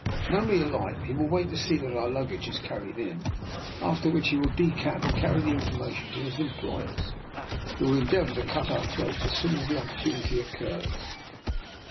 When we alight he will wait to see that our luggage is carried in, after which he will decamp and carry the information to his employers, who will endeavour to cut our throats as soon as the opportunity occurs."